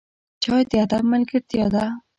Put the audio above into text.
چای د ادب ملګرتیا ده